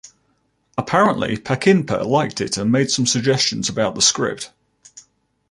Apparently, Peckinpah liked it and made some suggestions about the script.